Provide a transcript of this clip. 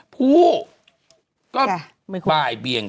ผู้ก็บ่ายเบียง